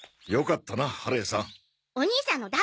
よかったな春恵さん。